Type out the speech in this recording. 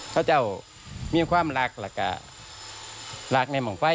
พวกเจ้ามีความรักรักของมันของไฟ